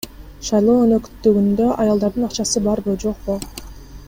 Шайлоо өнөктүгүндө аялдардын акчасы барбы, жокпу?